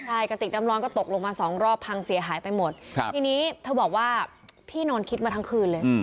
ใช่กระติกน้ำร้อนก็ตกลงมาสองรอบพังเสียหายไปหมดทีนี้เธอบอกว่าพี่นอนคิดมาทั้งคืนเลย